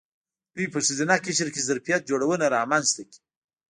دوی په ښځینه قشر کې ظرفیت جوړونه رامنځته کړې.